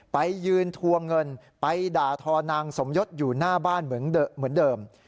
ไปยืนทวงเงินไปด่าทอนางสมยศอยู่หน้าบ้านเหมือนเดิม